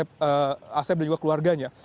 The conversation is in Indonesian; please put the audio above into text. kepada bapak asep assefullah dan juga keluarganya